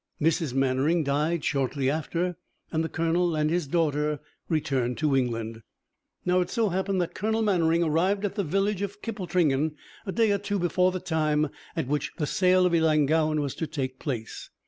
Mrs. Mannering died shortly after, and the colonel and his daughter returned to England. Now it so happened that Colonel Mannering arrived at the village of Kippletringan a day or two before the time at which the sale of Ellangowan was to take place.